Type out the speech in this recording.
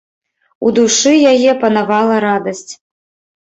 У душы яе панавала радасць.